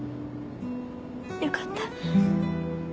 よかった。